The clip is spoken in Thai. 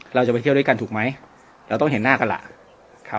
เราจะไปเที่ยวด้วยกันถูกไหมเราต้องเห็นหน้ากันล่ะครับ